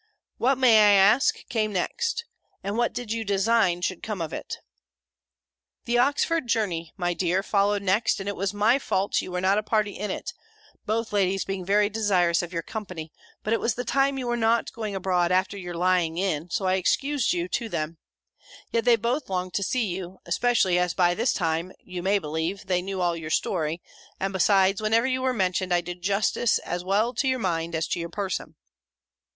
What, may I ask, came next? And what did you design should come of it?" "The Oxford journey, my dear, followed next; and it was my fault you were not a party in it, both ladies being very desirous of your company: but it was the time you were not going abroad, after your lying in, so I excused you to them. Yet they both longed to see you: especially as by this time, you may believe, they knew all your story: and besides, whenever you were mentioned, I did justice, as well to your mind, as to your person."